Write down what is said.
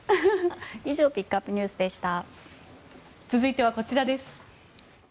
以上ピックアップＮＥＷＳでした。